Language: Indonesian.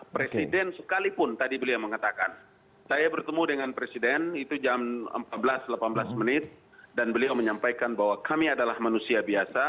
presiden sekalipun tadi beliau mengatakan saya bertemu dengan presiden itu jam empat belas delapan belas menit dan beliau menyampaikan bahwa kami adalah manusia biasa